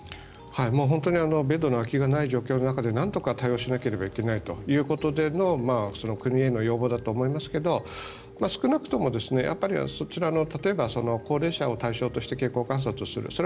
もう本当にベッドの空きがない状態の中でなんとか対応しなければいけないということでの国への要望だと思いますけど少なくとも、そちらの例えば、高齢者を対象として健康観察をする。